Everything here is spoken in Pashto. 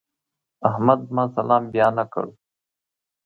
احمد زما سلام بيا نه کړ.